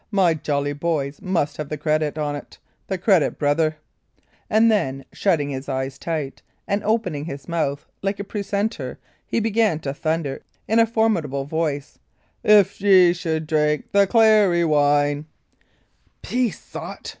"My jolly boys must have the credit on't the credit, brother;" and then, shutting his eyes tight and opening his mouth like a precentor, he began to thunder, in a formidable voice: "If ye should drink the clary wine" "Peace, sot!"